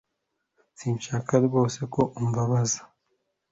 Sinshaka rwose ko umbabaza